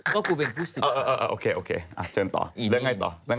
ก็กูเป็นผู้สู้นะอะไรนี้แล้วไงต่อ